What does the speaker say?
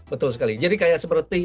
betul sekali jadi seperti